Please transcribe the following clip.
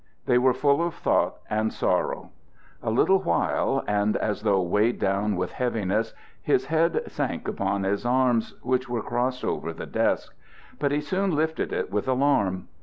They were full of thought and sorrow. A little while and, as though weighed down with heaviness, his head sank upon his arms, which were crossed over the desk. But he soon lifted it with alarm.